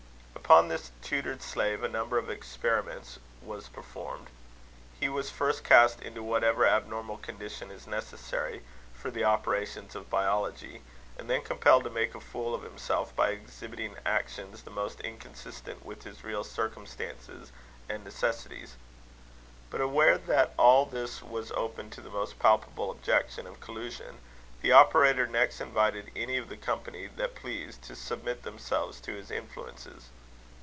Upon this tutored slave a number of experiments was performed. He was first cast into whatever abnormal condition is necessary for the operations of biology, and then compelled to make a fool of himself by exhibiting actions the most inconsistent with his real circumstances and necessities. But, aware that all this was open to the most palpable objection of collusion, the operator next invited any of the company that pleased, to submit themselves to his influences.